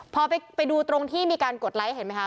พอไปดูตรงที่มีการกดไลค์เห็นไหมคะ